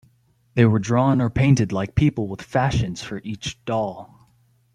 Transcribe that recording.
They were drawn or painted like people with fashions for each doll.